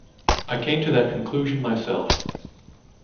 I came to that conclusion myself.